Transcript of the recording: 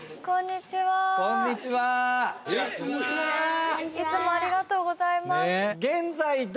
こんにちはいつもありがとうございます